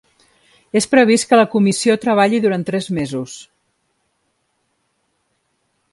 És previst que la comissió treballi durant tres mesos.